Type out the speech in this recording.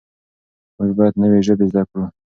موږ باید نوې ژبې زده کړو.